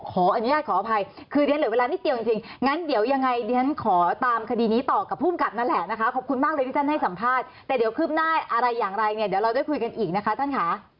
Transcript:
ขออนุญาตขออภัยคือเรียนเหลือเวลานิดเดียวจริงงั้นเดี๋ยวยังไงเดี๋ยวฉันขอตามคดีนี้ต่อกับภูมิกับนั่นแหละนะคะขอบคุณมากเลยที่ท่านให้สัมภาษณ์แต่เดี๋ยวคืบหน้าอะไรอย่างไรเนี่ยเดี๋ยวเราได้คุยกันอีกนะคะท่านค่ะ